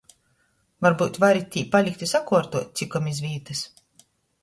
Varbyut varit tī palikt i sakuortuot, cikom iz vītys.